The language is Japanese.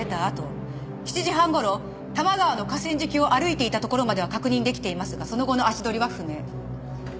あと７時半頃多摩川の河川敷を歩いていたところまでは確認できていますがその後の足取りは不明。